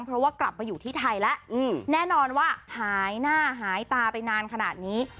เพราะว่ากลับมาอยู่ที่ไทยแล้วแน่นอนว่าหายหน้าหายตาไปนานขนาดนี้